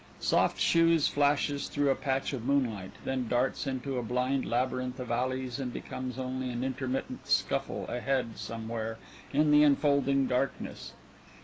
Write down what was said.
Soft Shoes flashes through a patch of moonlight, then darts into a blind labyrinth of alleys and becomes only an intermittent scuffle ahead somewhere in the enfolding darkness.